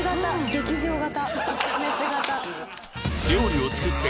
劇場型。